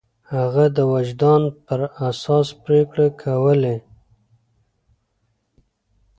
هغه د وجدان پر اساس پرېکړې کولې.